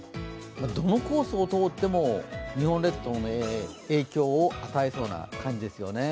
どのコースを通っても日本列島に影響を与えそうな感じですよね。